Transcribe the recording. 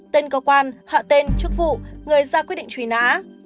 tên cơ quan họ tên chức vụ người ra quyết định trùy ná